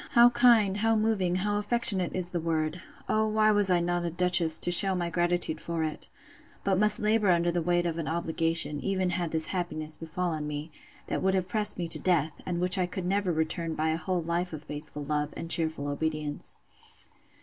—How kind, how moving, how affectionate is the word! O why was I not a duchess, to shew my gratitude for it! But must labour under the weight of an obligation, even had this happiness befallen me, that would have pressed me to death, and which I never could return by a whole life of faithful love, and cheerful obedience.